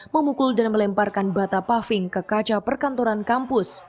memukul dan melemparkan bata paving ke kaca perkantoran kampus